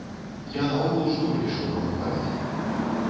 Я наогул шнур ішоў рамантаваць.